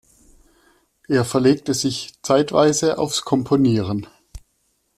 Er verlegte sich zeitweise aufs Komponieren.